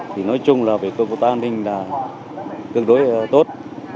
thì nói chung là về cơ vụ an ninh là tương đối tốt